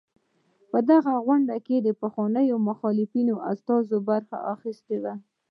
په دې غونډه کې پخوانيو مخالفینو استازو برخه اخیستې وه.